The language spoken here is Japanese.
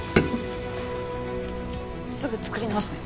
すぐ作り直すね。